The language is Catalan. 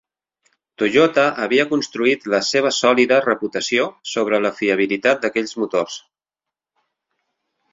Toyota havia construït la seva sòlida reputació sobre la fiabilitat d'aquells motors.